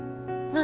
何？